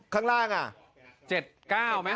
ข้างล่างน่ะ๗๙ไหมครับ